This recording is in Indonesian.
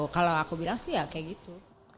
kalau aku bilang sih ya kayak gitu